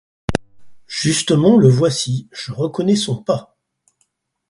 Justement le voici, je reconnais son pas.